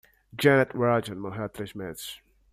Janet Roger morreu há três meses.